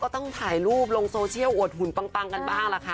ต้องถ่ายรูปลงโซเชียลอวดหุ่นปังกันบ้างล่ะค่ะ